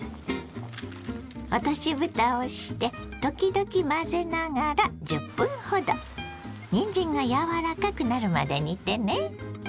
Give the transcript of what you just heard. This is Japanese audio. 落としぶたをして時々混ぜながら１０分ほどにんじんが柔らかくなるまで煮てね。